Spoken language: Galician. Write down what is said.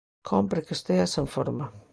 Cómpre que esteas en forma.